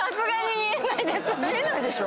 見えないでしょ？